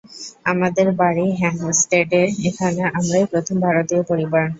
আমাদের বাড়ি হ্যাঁম্পস্টেডে, এখানে আমরাই প্রথম ভারতীয় পরিবার।